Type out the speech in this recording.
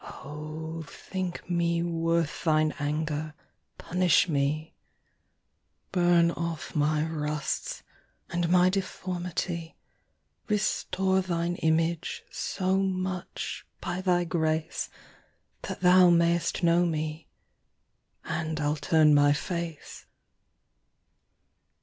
O thinke mee worth thine anger, punish mee. Burne off my rusts, and my deformity, Restore thine Image, so much, by thy grace, That thou may'st know mee, and I'll turne my face.